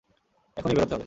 এখনই বেরোতে হবে।